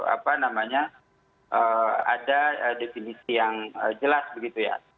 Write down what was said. apa namanya ada definisi yang jelas begitu ya